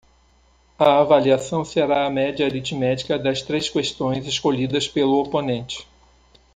A avaliação será a média aritmética das três questões escolhidas pelo oponente.